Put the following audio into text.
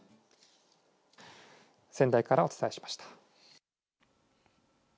仙台からお伝えしました。